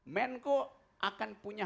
menko akan punya